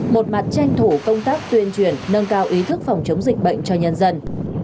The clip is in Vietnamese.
một mặt tranh thủ công tác tuyên truyền nâng cao ý thức phòng chống dịch bệnh cho nhân dân